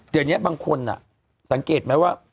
เดี๋ยวนี้บางคนสังเกตไหมว่า